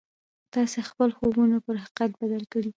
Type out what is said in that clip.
تاسې خپل خوبونه پر حقيقت بدل کړئ.